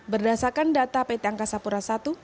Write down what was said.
berdasarkan data pt angkasa pura i